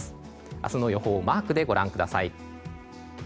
明日の予報をマークでご覧ください。